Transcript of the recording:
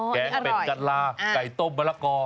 แกงเป็ดกะลาไก่ต้มมะละกอ